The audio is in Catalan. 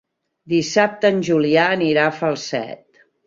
Dissabte en Julià anirà a Falset.